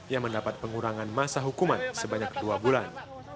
yang mendapat pengurangan masa hukuman sebanyak dua bulan